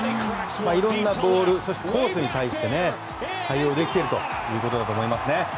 いろんなボール、コースに対して対応できているということだと思いますね。